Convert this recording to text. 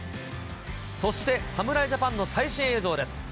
そして侍ジャパンの最新映像です。